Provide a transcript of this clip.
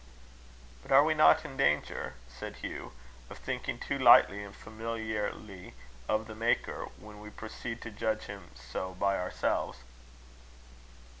"But are we not in danger," said Hugh, "of thinking too lightly and familiarly of the Maker, when we proceed to judge him so by ourselves?"